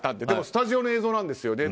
でもスタジオの映像なんですよ。